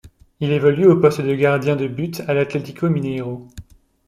Il évolue au poste de gardien de but à l'Atlético Mineiro.